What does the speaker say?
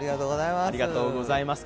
ありがとうございます。